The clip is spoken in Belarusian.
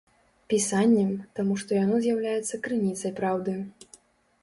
Пісаннем, таму што яно з'яўляецца крыніцай праўды.